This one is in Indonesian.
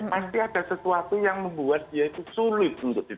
pasti ada sesuatu yang membuat dia itu sulit untuk di